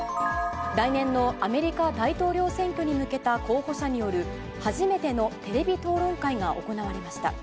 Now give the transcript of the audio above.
来年のアメリカ大統領選挙に向けた候補者による初めてのテレビ討論会が行われました。